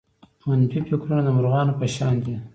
منفي فکرونه د مرغانو په شان دي.